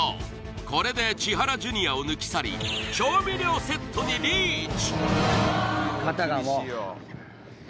これで千原ジュニアを抜き去り調味料セットにリーチ！